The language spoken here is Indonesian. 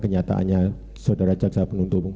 kenyataannya saudara jaksa penuntut umum